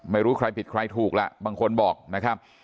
ไม่รู้ใครผิดใครถูกล่ะบางคนบอกนะครับ